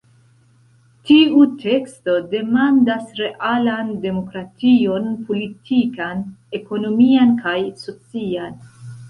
Tiu teksto demandas realan demokration politikan, ekonomian kaj socian.